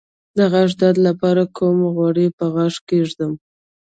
د غاښ درد لپاره کوم غوړي په غاښ کیږدم؟